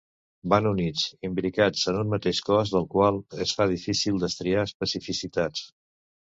Van units, imbricats en un mateix cos del qual es fa difícil destriar especificitats.